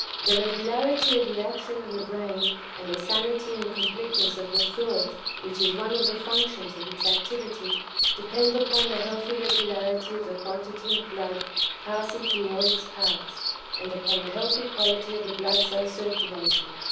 The regularity of the action of the brain and the sanity and completeness of the thought which is one of the functions of its activity depend upon the healthy regularity of the quantity of blood passing through all its parts, and upon the healthy quality of the blood so circulating.